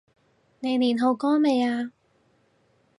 你練好歌未呀？